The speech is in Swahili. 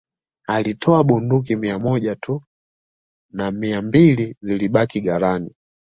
Alitoa bunduki mia moja tu na mia mbili zilibaki ghalani